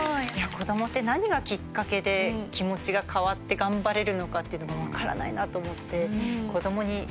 子供って何がきっかけで気持ちが変わって頑張れるのかというのが分からないなと思って。